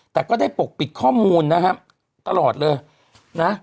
แต่ก็ได้ปกปิดข้อมูลนะฮะตลอดเลยนะ